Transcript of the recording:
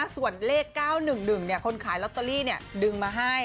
ส่วนเลข๙๑๑คนขายลอตเตอรี่ดึงมาให้